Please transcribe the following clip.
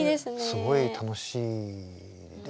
すごい楽しいんです。